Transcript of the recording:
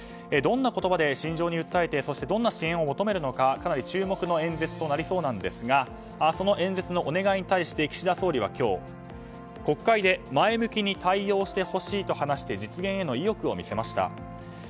どんな言葉で心情に訴えてどんな支援を求めるのかかなり注目の演説となりそうなんですがその演説のお願いに対して岸田総理は今日国会で前向きに対応してほしいと話して実現への意欲を見せました。